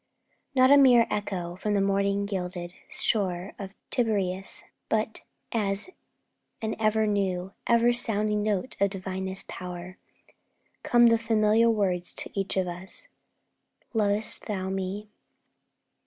'_ Not as a mere echo from the morning gilded shore of Tiberias, but as an ever new, ever sounding note of divinest power, come the familiar words to each of us, 'Lovest thou Me?'